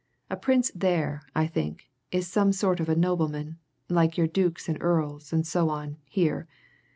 A Prince there, I think, is some sort of nobleman, like your dukes and earls, and so on, here.